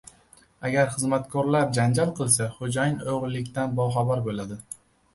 • Agar xizmatkorlar janjal qilsa, xo‘jayin o‘g‘rilikdan boxabar bo‘ladi.